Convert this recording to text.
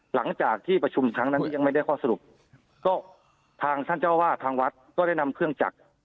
หลังจากที่ประชุมครั้งนั้นที่ยังไม่ได้ข้อสรุปก็ทางท่านเจ้าวาดทางวัดก็ได้นำเครื่องจักร